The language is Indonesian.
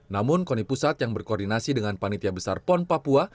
namun koni pusat yang berkoordinasi dengan panitia besar pon papua